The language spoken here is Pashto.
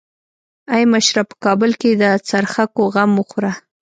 ای مشره په کابل کې د څرخکو غم وخوره.